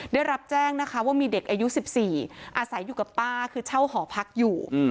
ได้รับแจ้งนะคะว่ามีเด็กอายุ๑๔อาศัยอยู่กับป้าคือเช่าหอพักอยู่